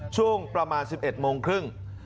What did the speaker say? ช่วงประมาณ๑๑โมงครึ่ง